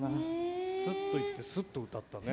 スッと行ってスッと歌ったね。